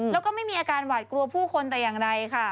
แล้วก็ไม่มีอาการหวาดกลัวผู้คนแต่อย่างใดค่ะ